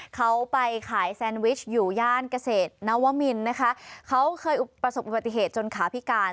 เขาไปขายแซนวิชอยู่ย่านเกษตรนวมินนะคะเขาเคยประสบอุบัติเหตุจนขาพิการ